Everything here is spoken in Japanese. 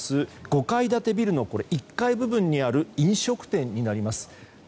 ５階建てビルの１階部分にある飲食店になります。